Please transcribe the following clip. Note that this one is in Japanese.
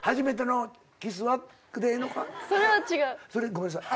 ごめんなさい。